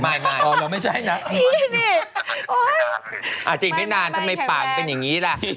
อาจเถียงไม่นานทำไมปากเป็นอย่างนี้เราะ